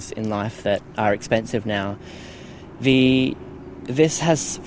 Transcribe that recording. hal ini memaksa kami untuk mencari kemampuan perumahan